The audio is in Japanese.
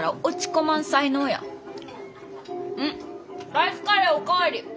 ライスカレーお代わり！